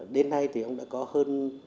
đến nay thì ông đã có hơn